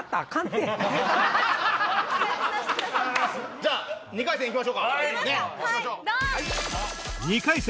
じゃあ２回戦行きましょうか。